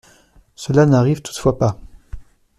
Cela n'arrive toutefois pas.